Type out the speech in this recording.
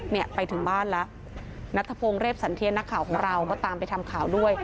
เนี่ยไปถึงบ้านแล้วนัทพงศ์เรฟสันเทียนนักข่าวของเราก็ตามไปทำข่าวด้วย